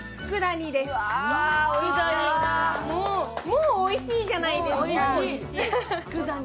もうおいしいじゃないですか。